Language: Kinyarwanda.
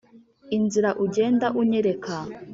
inzira ugenda unyereka